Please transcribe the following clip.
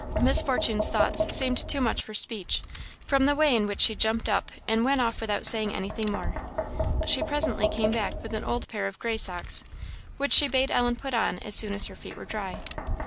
Miss Fortune's thoughts seemed too much for speech, from the way in which she jumped up and went off without saying anything more. She presently came back with an old pair of gray socks, which she bade Ellen put on as soon as her feet were dry.